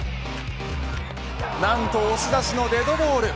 なんと押し出しのデッドボール。